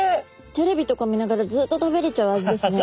テレビとか見ながらずっと食べれちゃう味ですね。